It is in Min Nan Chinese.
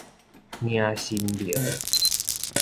迎神明